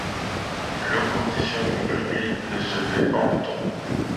L'opposition du public ne se fait pas entendre.